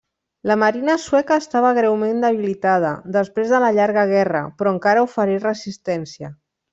La marina sueca estava greument debilitada després de la llarga guerra, però encara oferí resistència.